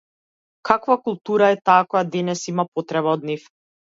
Каква култура е таа која денес има потреба од нив?